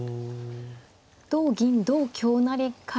同銀同香成から。